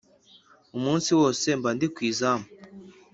umunsi wose mba ndi ku izamu,